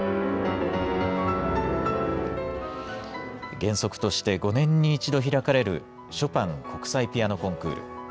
原則として５年に一度開かれるショパン国際ピアノコンクール。